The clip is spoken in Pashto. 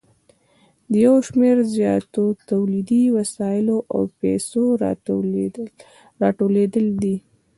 د یو شمېر زیاتو تولیدي وسایلو او پیسو راټولېدل دي